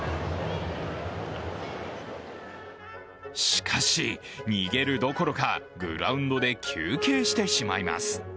しかし、逃げるどころかグラウンドで休憩してしまいます。